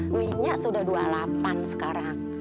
minyak sudah dua puluh delapan sekarang